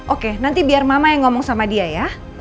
oke nanti biar mama yang ngomong sama dia ya